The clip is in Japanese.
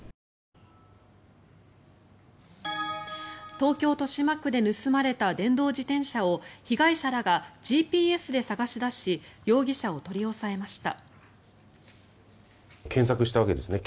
東京・豊島区で盗まれた電動自転車を被害者らがＧＰＳで探し出し容疑者を取り押さえました。